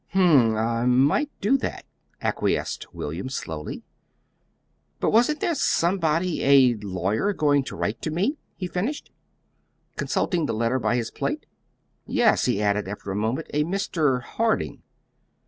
"Hm m; I might do that," acquiesced William, slowly. "But wasn't there somebody a lawyer going to write to me?" he finished, consulting the letter by his plate. "Yes," he added, after a moment, "a Mr. Harding.